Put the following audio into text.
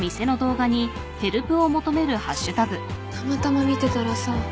たまたま見てたらさ。